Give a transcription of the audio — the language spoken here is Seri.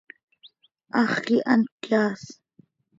Hax quih hant cöyaas.